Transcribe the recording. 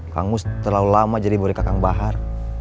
kang mus terlalu lama jadi bodi kakang bahar